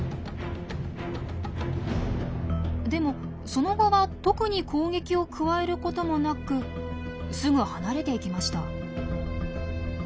でもその後は特に攻撃を加えることもなくすぐ離れていきました。